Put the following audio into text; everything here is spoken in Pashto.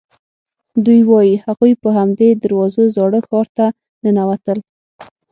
دوی وایي هغوی په همدې دروازو زاړه ښار ته ننوتل.